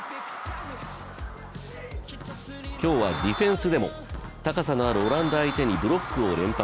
今日はディフェンスでも高さのあるオランダ相手にブロックを連発。